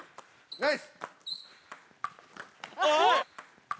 ナイス。